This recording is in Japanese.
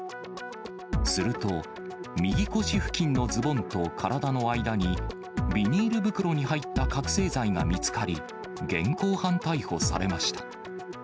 すると、右腰付近のズボンと体の間に、ビニール袋に入った覚醒剤が見つかり、現行犯逮捕されました。